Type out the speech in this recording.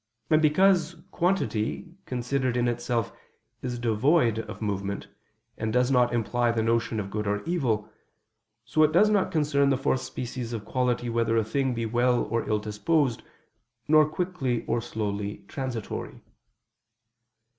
And because quantity, considered in itself, is devoid of movement, and does not imply the notion of good or evil, so it does not concern the fourth species of quality whether a thing be well or ill disposed, nor quickly or slowly transitory.